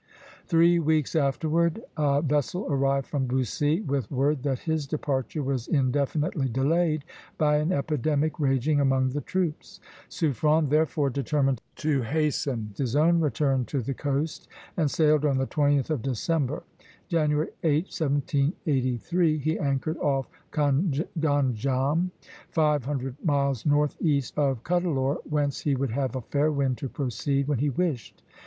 Three weeks afterward a vessel arrived from Bussy, with word that his departure was indefinitely delayed by an epidemic raging among the troops. Suffren therefore determined to hasten his own return to the coast, and sailed on the 20th of December. January 8, 1783, he anchored off Ganjam, five hundred miles northeast of Cuddalore, whence he would have a fair wind to proceed when he wished.